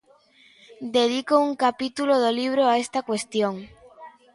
Dedico un capítulo do libro a esta cuestión.